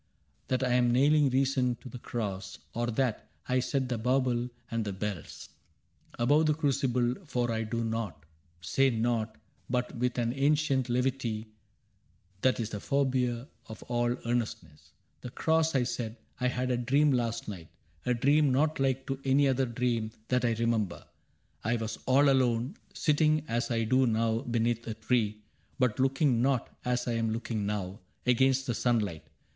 That I am nailing reason to the cross, Or that I set the bauble and the bells Above the crucible ; for I do nought. Say nought, but with an ancient levity That is the forbear of all earnestness. ^^ The cross, I said. — I had a dream last night : A dream not like to any other dream That I remember. I was all alone. Sitting as I do now beneath a tree. But looking not, as I am looking now. Against the sunlight.